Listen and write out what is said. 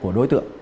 của đối tượng